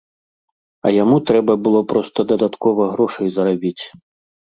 А яму трэба было проста дадаткова грошай зарабіць.